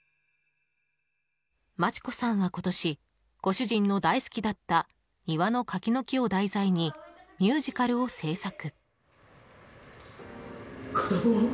真知子さんは今年ご主人の大好きだった庭の柿の木を題材にミュージカルを制作。